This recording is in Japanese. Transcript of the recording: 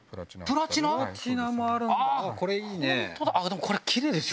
でもこれキレイですよ。